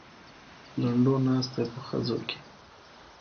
لنډو ناست دی په خزو کې.